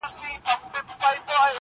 یو لېوه د غره لمن کي وږی تږی!!